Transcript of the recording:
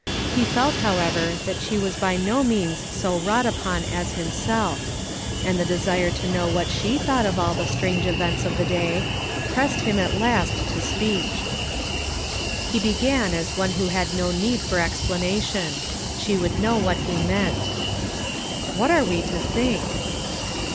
He felt, however, that she was by no means so wrougiit upon as himself; and the desire to know what she thought of all the strange events of the day pressed liim at last to speech. He began as one who had no need for explana tion. She would know what he meant. " What are we to think